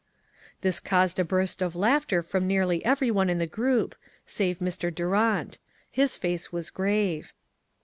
This caused a burst of laughter from nearly every one in the group, save Mr. Durant; his face was grave.